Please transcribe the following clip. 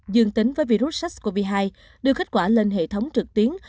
dương tính với virus sars cov hai đưa kết quả lên hệ thống trực tuyến